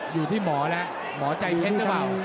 อยู่ที่หมอแล้วหมอใจเพชรหรือเปล่า